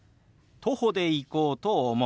徒歩で行こうと思う。